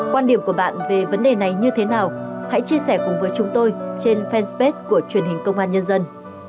quan điểm của bạn về vấn đề này như thế nào hãy chia sẻ cùng với chúng tôi trên fanpage của truyền hình công an nhân dân